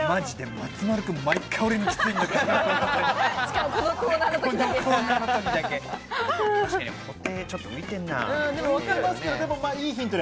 松丸君、毎回、俺にきついんだけど。